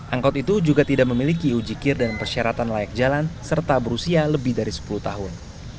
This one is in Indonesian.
angkot itu juga tidak memiliki uji kir dan persyaratan layak jalan serta berusia lebih dari sepuluh tahun